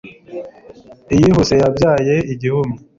iyihuse yabyaye igihumye